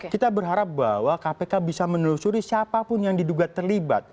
kita berharap bahwa kpk bisa menelusuri siapapun yang diduga terlibat